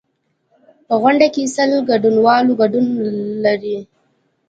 په غونډه کې سل ګډونوال ګډون لري.